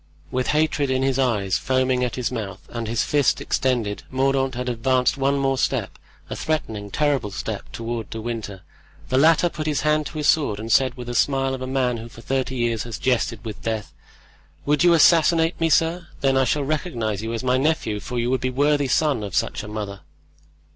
With hatred in his eyes, foaming at his mouth, and his fist extended, Mordaunt had advanced one more step, a threatening, terrible step, toward De Winter. The latter put his hand to his sword, and said, with the smile of a man who for thirty years has jested with death: "Would you assassinate me, sir? Then I shall recognize you as my nephew, for you would be a worthy son of such a mother."